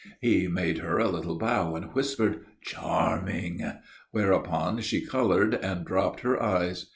He made her a little bow and whispered, "Charming!" Whereupon she coloured and dropped her eyes.